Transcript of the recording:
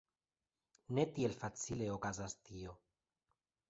Ne tiel facile okazas tio!